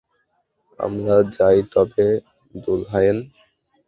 আমরা যাই তবে, দুলহায়েন।